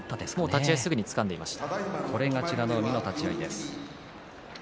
立ち合いすぐにつかんでいました。